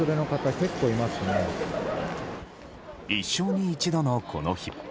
一生に一度のこの日。